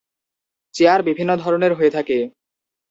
Chair বিভিন্ন ধরনের হয়ে থাকে।